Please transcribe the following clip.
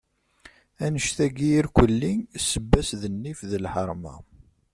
Anect-agi irkelli, sebba-s d nnif d lḥerma.